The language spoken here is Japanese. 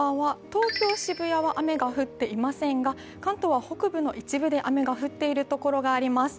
東京・渋谷は雨が降っていませんが、関東は北部の一部で雨が降っているところがあります。